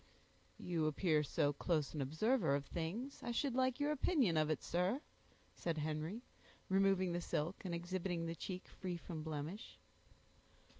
"You appear so close an observer of things, I should like your opinion of it, sir," said Henry, removing the silk, and exhibiting the cheek free from blemish.